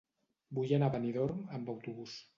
Vull anar a Benidorm amb autobús.